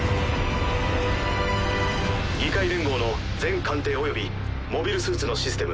議会連合の全艦艇およびモビルスーツのシステム